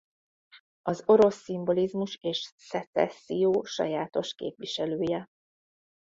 Az orosz szimbolizmus és szecesszió sajátos képviselője.